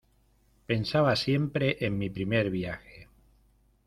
pensaba siempre en mi primer viaje.